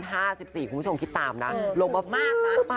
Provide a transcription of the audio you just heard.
คุณผู้ชมคิดตามนะลงมามากนะ